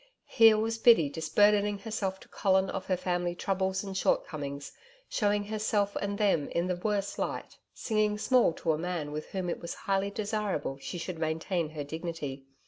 Here was Biddy disburdening herself to Colin of her family troubles and short comings, showing herself and them in the worst light, singing small to a man with whom it was highly desirable she should maintain her dignity.